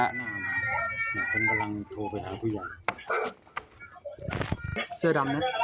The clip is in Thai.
หนึ่งคนกำลังโทรไปหาผู้หญ้า